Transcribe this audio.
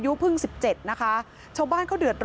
ช่องบ้านต้องช่วยแจ้งเจ้าหน้าที่เพราะว่าโดนฟันแผลเวิกวะค่ะ